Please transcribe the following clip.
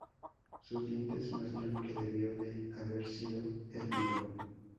Sus dientes muestran que debió de haber sido herbívoro.